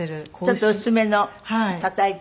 ちょっと薄めのたたいて。